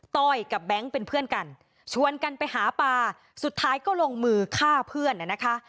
ต้อยกับแบงค์เป็นเพื่อนกันชวนกันไปหาปลาสุดท้ายก็ลงมือฆ่าเพื่อนนะคะ